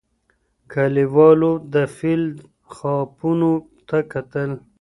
کلیوالو د فیل خاپونو ته کتل.